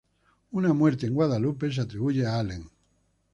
Una muerte en Guadalupe se atribuyó a Allen.